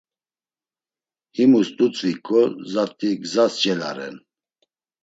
Himus dutzviǩo zat̆i, gzas celaren.